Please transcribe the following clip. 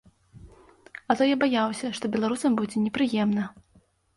А то я баяўся, што беларусам будзе непрыемна.